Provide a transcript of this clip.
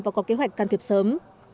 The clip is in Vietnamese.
và có kế hoạch can thiệp sớm